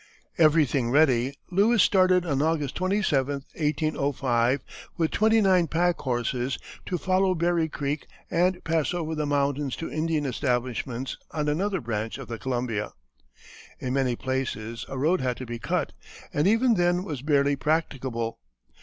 Everything ready, Lewis started on August 27, 1805, with twenty nine pack horses, to follow Berry Creek and pass over the mountains to Indian establishments on another branch of the Columbia. In many places a road had to be cut, and even then was barely practicable.